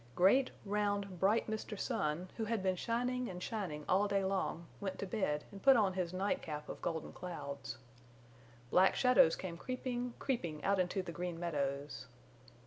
Great round bright Mr. Sun, who had been shining and shining all day long, went to bed and put on his night cap of golden clouds. Black shadows came creeping, creeping out into the Green Meadows.